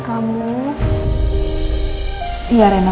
namanya aku dari pensman